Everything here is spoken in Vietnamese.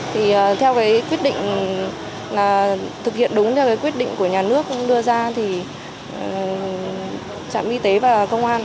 thì theo cái quyết định là thực hiện đúng theo cái quyết định của nhà nước đưa ra thì trạm y tế và công an